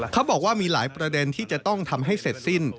เขาบอกว่ามีหลายประเด็นที่จะต้องทำให้เสร็จสิ้น